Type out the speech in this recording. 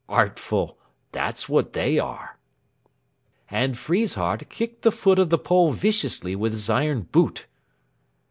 Artful that's what they are!" And Friesshardt kicked the foot of the pole viciously with his iron boot.